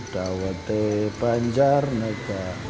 dawat di banjaranegara